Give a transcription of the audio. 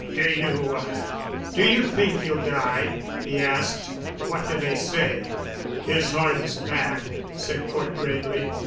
"Do you—do you think he'll die?" he asked. "What do they say?" "His heart is bad," said Cort gravely.